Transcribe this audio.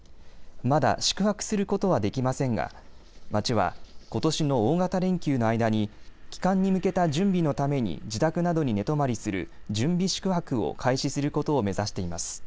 まだ宿泊することはできませんが町はことしの大型連休の間に帰還に向けた準備のために自宅などに寝泊まりする準備宿泊を開始することを目指しています。